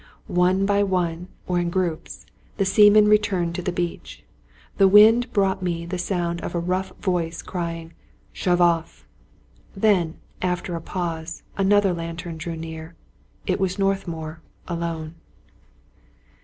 One by one, or in groups, the seamen returned to the beach. The wind brought me the sound of a rough voice crying, " Shove off !" Then, after a pause, another lantern drew near. It was Northmour alone.